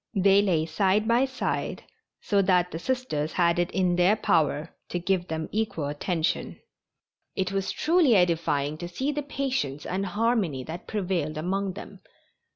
They lay side by side, so that the Sisters had it in their power to give them equal attention. It was truly edifying to see the patience and harmony that prevailed among them.